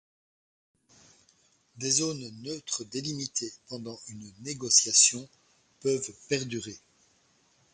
Des zones neutres délimitées pendant une négociation peuvent perdurer.